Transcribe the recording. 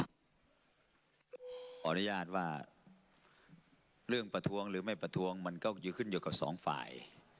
ขออนุญาตว่าเรื่องประท้วงหรือไม่ประท้วงมันก็คือขึ้นอยู่กับสองฝ่าย